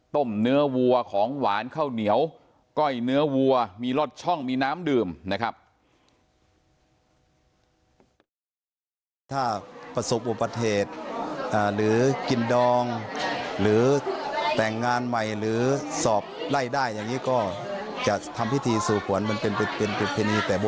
เนื้อวัวของหวานข้าวเหนียวก้อยเนื้อวัวมีลอดช่องมีน้ำดื่มนะครับ